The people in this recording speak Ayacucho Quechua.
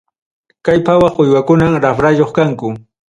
Kay pawaq uywakunam raprayuq kanku.